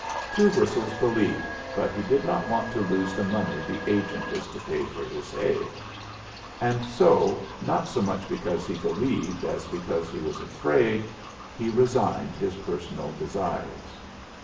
Two Whistles believed, but he did not want to lose the money the agent was to pay for his hay. And so, not so much because he believed as because he was afraid, he resigned his personal desires.